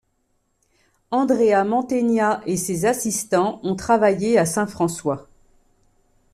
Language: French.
Andrea Mantegna et ses assistants ont travaillé à saint François.